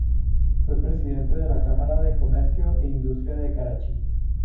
Fue presidente de la Cámara de Comercio e Industria de Karachi.